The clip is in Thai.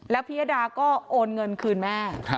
แล้วพิยดาก็โอนเงินคืนแม่